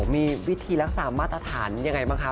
มีวิธีรักษามาตรฐานยังไงบ้างคะ